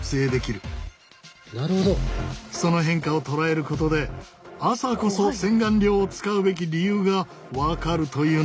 その変化をとらえることで朝こそ洗顔料を使うべき理由が分かるというのだ。